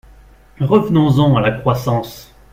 Revenons-en à la croissance.